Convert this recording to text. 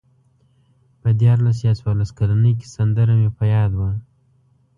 په دیارلس یا څوارلس کلنۍ کې سندره مې په یاد وه.